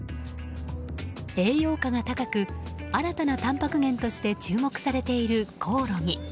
栄養価が高く新たなたんぱく源として注目されているコオロギ。